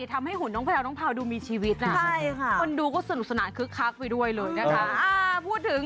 พี่ชัยทำให้หุ่นน้องแพลวน้องเภาดูมีชีวิตนะคนดูก็สนุกสนานคึกคักไปด้วยเลยนะครับ